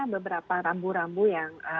beberapa rambu rambu yang